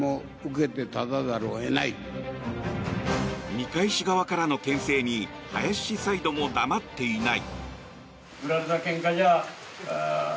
二階氏側からのけん制に林サイドも黙っていない。